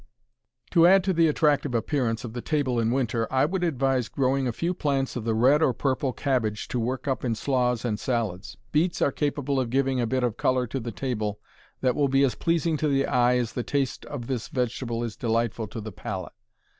To add to the attractive appearance of the table in winter I would advise growing a few plants of the red or purple cabbage to work up in slaws and salads. Beets are capable of giving a bit of color to the table that will be as pleasing to the eye as the taste of this vegetable is delightful to the palate.